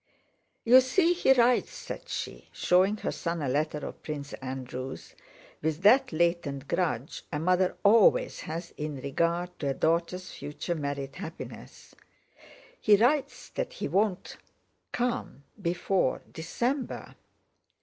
"You see he writes," said she, showing her son a letter of Prince Andrew's, with that latent grudge a mother always has in regard to a daughter's future married happiness, "he writes that he won't come before December.